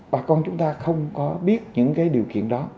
bà con chúng ta không có biết những cái điều kiện đó